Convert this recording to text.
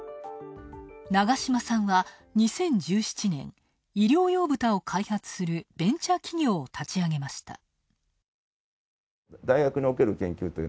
長嶋さんは、２０１７年、医療用ブタを開発するベンチャー企業を立ち上げました。